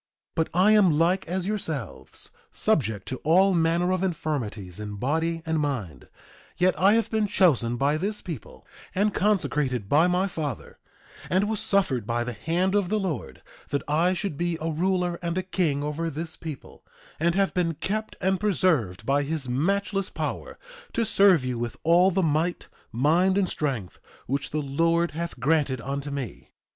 2:11 But I am like as yourselves, subject to all manner of infirmities in body and mind; yet I have been chosen by this people, and consecrated by my father, and was suffered by the hand of the Lord that I should be a ruler and a king over this people; and have been kept and preserved by his matchless power, to serve you with all the might, mind and strength which the Lord hath granted unto me.